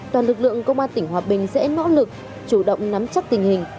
toàn lực lượng công an tỉnh hòa bình sẽ nỗ lực chủ động nắm chắc tình hình